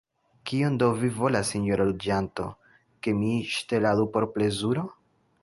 Kion do vi volas, sinjoro juĝanto, ke mi ŝteladu por plezuro?